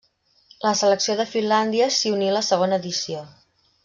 La selecció de Finlàndia s'hi uní la segona edició.